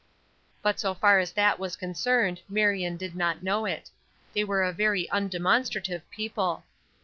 But so far as that was concerned Marion did not know it; they were a very undemonstrative people.